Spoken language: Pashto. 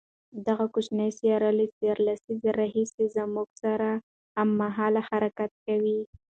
دغه کوچنۍ سیاره له څو لسیزو راهیسې زموږ سره هممهاله حرکت کوي.